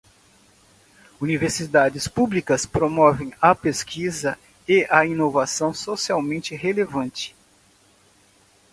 Universidades públicas promovem a pesquisa e a inovação socialmente relevante.